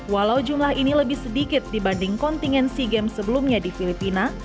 walau jumlah ini lebih sedikit dibanding kontingen sea games sebelumnya di filipina